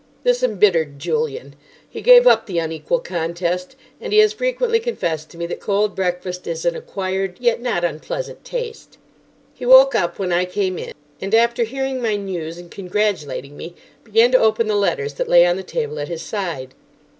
This embittered Julian. He gave up the unequal contest, and he has frequently confessed to me that cold breakfast is an acquired, yet not unpleasant, taste. He woke up when I came in, and, after hearing my news and congratulating me, began to open the letters that lay on the table at his side.